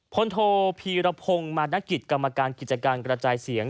พลโทพีรพงศ์มานกิจกรรมการกิจการกระจายเสียง